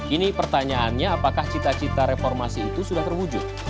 ini pertanyaannya apakah cita cita reformasi itu sudah terwujud